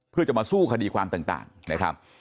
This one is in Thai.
เพื่อจะมาสู้คดีความต่างนะครับ